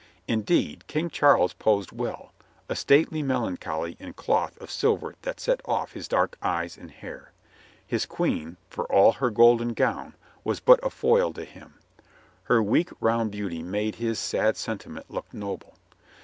Indeed, King Charles posed well — a stately melancholy in cloth of silver that set off his dark eyes and hair. His Queen, for all her golden gown, was but a foil to him. Her weak, round beauty made his sad sentiment look noble.